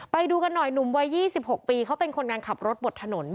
ไปดูกันหน่อยหนุ่มวัย๒๖ปีเขาเป็นคนงานขับรถบนถนน